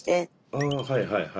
ああはいはいはい。